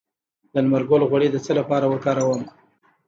د لمر ګل غوړي د څه لپاره وکاروم؟